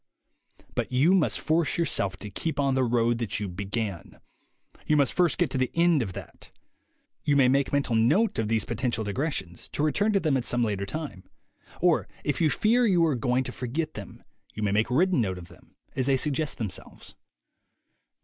But you must force yourself to keep on the road that you began. You must first get to the end of that. You may make mental note of these potential digressions, to return to them at some later time; or if you fear you are going to THE WAY TO WILL POWER 115 forget them, you may make written note of them as they suggest themselves.